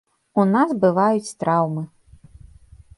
У нас бываюць траўмы.